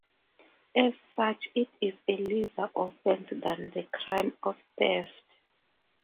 As such, it is a lesser offense than the crime of theft.